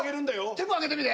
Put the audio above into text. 手も上げてみて。